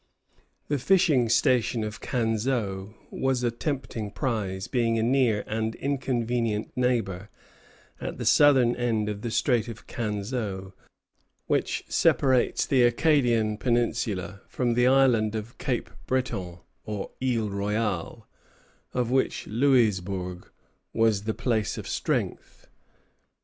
The fishing station of Canseau was a tempting prize, being a near and an inconvenient neighbor, at the southern end of the Strait of Canseau, which separates the Acadian peninsula from the island of Cape Breton, or Isle Royale, of which Louisbourg was the place of strength.